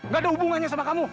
gak ada hubungannya sama kamu